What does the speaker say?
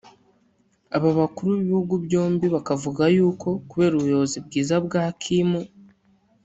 Aba bakuru b’ibihugu byombi bakavuga yuko kubera ubuyobozi bwiza bwa Kim